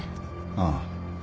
ああ。